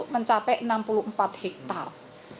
mencapai enam puluh empat hektare